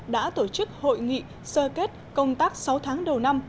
đã tổ chức hội nghị sơ kết công tác sáu tháng đầu năm